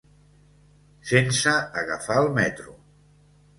sense agafar el metro.